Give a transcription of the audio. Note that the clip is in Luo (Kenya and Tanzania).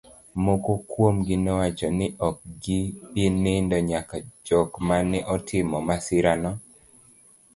moko kuomgi nowacho ni ok gi bi nindo nyaka jok mane otimo masira no